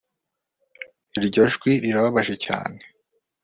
Iryo jwi rirababaje cyane